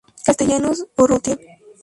Castellanos Urrutia.